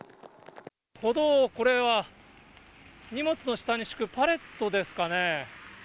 歩道、これは荷物の下に敷くパレットですかね。